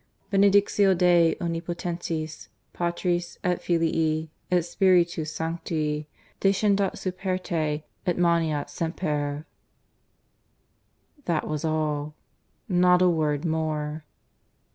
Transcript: "Benedictio Dei omnipotentis Patris et Filii et Spiritus Sancti, descendat super te, et maneat semper." That was all; not a word more.